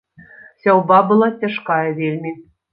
Сяўба была цяжкая вельмі.